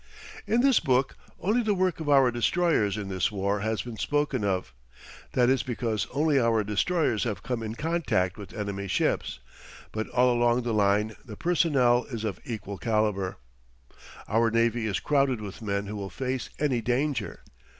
In this book only the work of our destroyers in this war has been spoken of. That is because only our destroyers have come in contact with enemy ships; but all along the line the personnel is of equal caliber. Our navy is crowded with men who will face any danger.